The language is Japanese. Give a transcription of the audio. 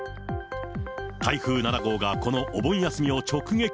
台風７号がこのお盆休みを直撃。